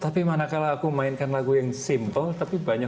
tapi mana kalau aku mainkan lagu yang simple tapi aku bisa mencoba